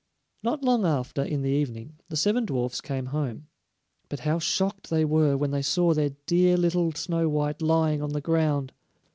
Not long after, in the evening, the seven dwarfs came home, but how shocked they were when they saw their dear little Snow white lying on the ground!